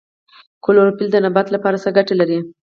کلوروفیل د نبات لپاره څه ګټه لري